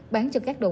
bán cho các đầu mối